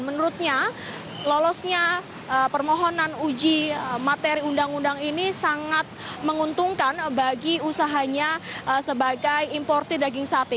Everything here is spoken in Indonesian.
menurutnya lolosnya permohonan uji materi undang undang ini sangat menguntungkan bagi usahanya sebagai importir daging sapi